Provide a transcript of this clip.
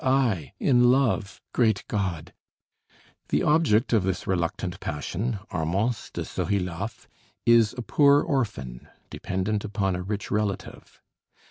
"I, in love! Great God!" The object of this reluctant passion, Armance de Zohiloff, is a poor orphan, dependent upon a rich relative.